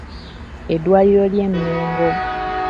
Eddwaliro ly'e Mengo.